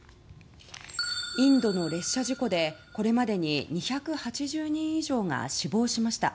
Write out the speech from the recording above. インドの列車事故で、これまでに２８０人以上が死亡しました。